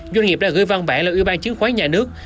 doanh nghiệp đã gửi văn bản lên ủy ban chứng khoán nhà nước